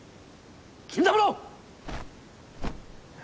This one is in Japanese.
金三郎！